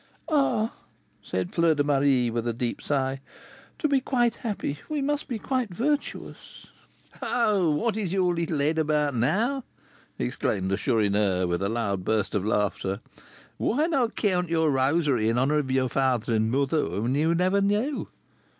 "Ah!" said Fleur de Marie, with a deep sigh, "to be quite happy, we must be quite virtuous." "Oh, what is your little head about now?" exclaimed the Chourineur, with a loud burst of laughter. "Why not count your rosary in honour of your father and mother, whom you never knew?"